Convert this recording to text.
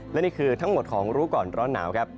และนี่คือทั้งหมดของรู้ก่อนร้อนหนาวครับ